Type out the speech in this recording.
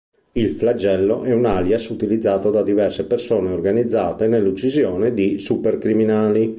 Il Flagello è un alias utilizzato da diverse persone organizzate nell'uccisione di supercriminali.